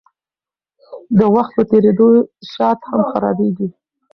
وخت په تېرېدو شات هم خرابیږي.